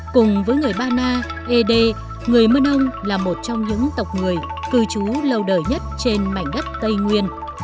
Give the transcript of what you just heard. cùng với người ba na e đê người mưa nông là một trong những tộc người cư trú lâu đời nhất trên mảnh đất tây nguyên